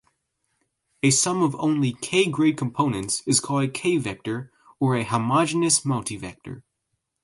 A sum of only "k"-grade components is called a "k"-vector, or a "homogeneous" multivector.